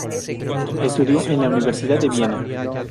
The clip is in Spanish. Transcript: Estudió en la Universidad de Viena.